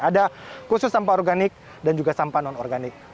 ada khusus sampah organik dan juga sampah non organik